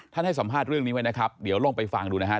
ให้สัมภาษณ์เรื่องนี้ไว้นะครับเดี๋ยวลองไปฟังดูนะครับ